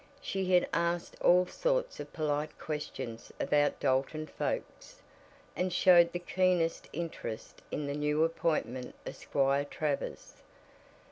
She had asked all sorts of polite questions about Dalton folks, and showed the keenest interest in the new appointment of Squire Travers.